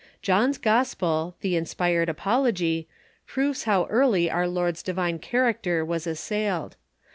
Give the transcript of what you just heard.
John's Gospel, the inspired apology, proves how early our Lord's di vine character was assailed.